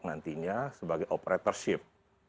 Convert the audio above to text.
nantinya sebagai operatorship